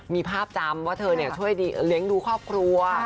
มีภาพจำว่าเธอช่วยเลี้ยงดูครอบครัว